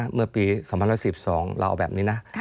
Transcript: เมื่อปี๒๐๑๒เราเอาแบบนี้นะ